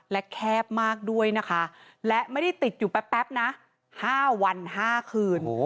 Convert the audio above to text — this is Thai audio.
และแคบมากด้วยนะคะและไม่ได้ติดอยู่แป๊บนะ๕วัน๕คืน